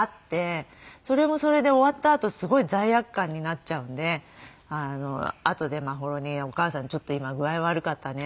それはそれで終わったあとすごい罪悪感になっちゃうのであとで眞秀に「お母さんちょっと今具合悪かったね」